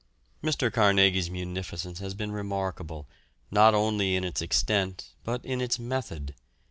Mr. Carnegie's munificence has been remarkable, not only in its extent, but in its method.